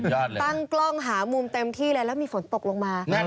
ตั้งกล้องหามุมเต็มที่เลยแล้วมีฝนตกลงมา